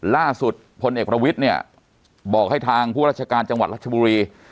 พลเอกประวิทย์เนี่ยบอกให้ทางผู้ราชการจังหวัดรัชบุรี